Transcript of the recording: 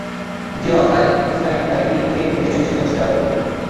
দ্বিতীয় হওয়া সাঈদী হোসাঈন গাড়ি নিয়ে ঘুরে বেড়িয়েছেন দেশের অধিকাংশ জেলাতেই।